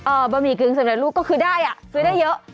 บะหมี่กึ่งสำเร็จลูกก็คือได้อ่ะซื้อได้เยอะ